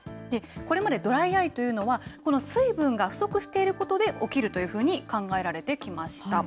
これまでドライアイというのは、この水分が不足していることで起きるというふうに考えられてきました。